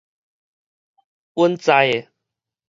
穩在的